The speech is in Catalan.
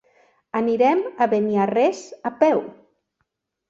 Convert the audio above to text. Anirem a Beniarrés a peu.